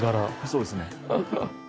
そうですね。